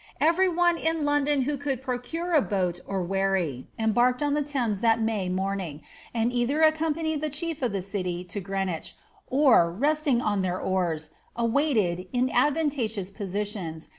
Every one who could procure boat or wherry embarked on the Tluimea Homing, and either accompanied the chief of the city to or, resting on their oars, awaited, in advantageous positions